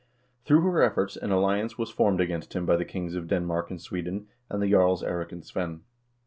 Through her efforts an alliance was formed against him by the kings of Denmark and Sweden, and the jarls Eirik and Svein.